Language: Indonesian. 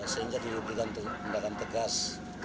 sehingga diubahkan untuk pembahasan tegas